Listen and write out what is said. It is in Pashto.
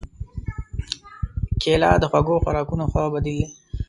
کېله د خوږو خوراکونو ښه بدیل دی.